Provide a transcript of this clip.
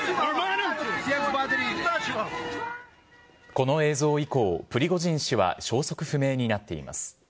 この映像以降、プリゴジン氏は消息不明になっています。